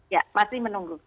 ya masih menunggu